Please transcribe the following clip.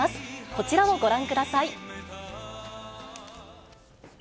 こちらをご覧ください。